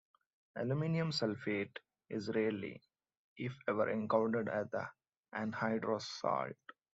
Aluminium sulfate is rarely, if ever, encountered as the anhydrous salt.